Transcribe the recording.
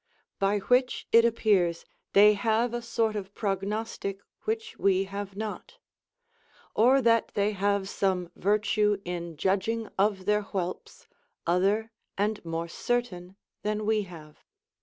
By which it appears they have a sort of prognostic which we have not; or that they have some virtue in judging of their whelps other and more certain than we have.